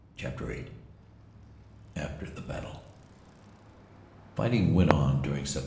CHAPTER VIII AFTER THE BATTLE FIGHTING went on during Sept.